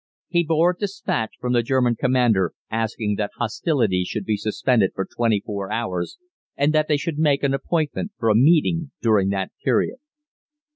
He bore a despatch from the German Commander asking that hostilities should be suspended for twenty four hours, and that they should make an appointment for a meeting during that period.